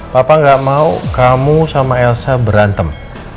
papa gak mau kamu sama elsa berantem